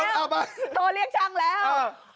เอาไปโทรเรียกช่างแล้ว